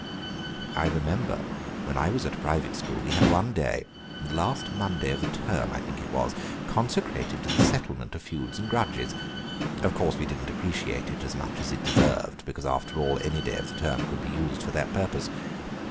I remember when I was at a private school we had one day, the last Monday of the term I think it was, consecrated to the settlement of feuds and grudges; of course we did not appreciate it as much as it deserved, because, after all, any day of the term could be used for that purpose.